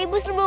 ibu udah ibu